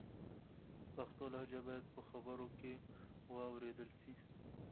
پښتو لهجه باید په خبرو کې و اورېدل سي.